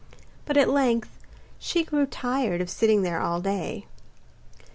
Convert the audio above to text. But at length she grew tired of sitting there all day.